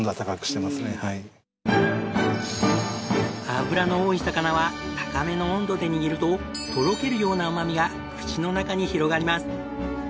脂の多い魚は高めの温度で握るととろけるようなうまみが口の中に広がります。